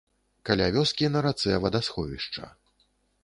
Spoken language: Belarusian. Каля вёскі на рацэ вадасховішча.